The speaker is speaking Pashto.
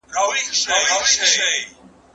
¬ د ښاره ووزه، د نرخه ئې مه وزه.